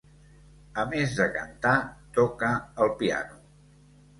A més de cantar toca el piano.